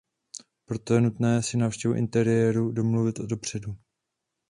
Proto je nutné si návštěvu interiéru domluvit dopředu.